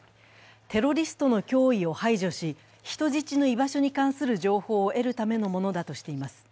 テロリストの脅威を排除し、人質の居場所に関する情報を得るためのものだとしています。